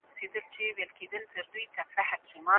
د علم ترلاسه کول په هر مسلمان فرض دي.